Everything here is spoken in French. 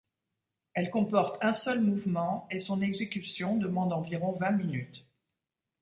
Elle comporte un seul mouvement et son exécution demande environ vingt minutes.